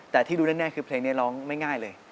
แต่ที่รู้แน่คือเพลงนี้ร้องไม่ง่ายเลย